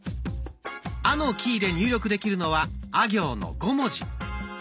「あ」のキーで入力できるのは「あ」行の５文字。